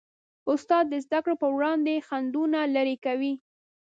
استاد د زدهکړو په وړاندې خنډونه لیرې کوي.